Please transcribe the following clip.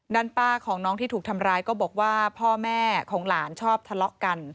ด้านป้าของน้องที่ถูกทำร้ายก็บอกว่าพ่อแม่ของหลานชอบทะเลาะกัน